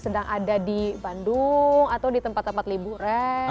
sedang ada di bandung atau di tempat tempat liburan